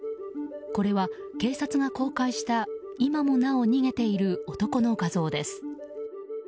これは警察が公開した今もなお逃げている男の画像です。